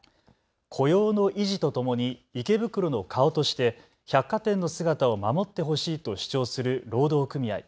雇用の維持とともに池袋の顔として百貨店の姿を守ってほしいと主張する労働組合。